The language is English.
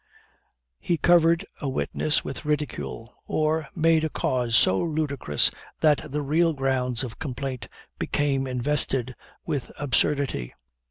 He covered a witness with ridicule, or made a cause so ludicrous, that the real grounds of complaint became invested with absurdity.